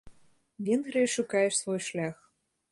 Венгрыя шукае свой шлях.